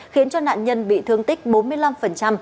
khiến cho nạn nhân bị thương tích bốn mươi năm